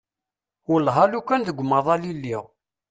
Wellah alukan deg umaḍal i lliɣ.